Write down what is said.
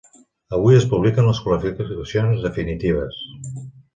Avui es publiquen les qualificacions definitives.